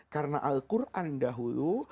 karena al quran dahulu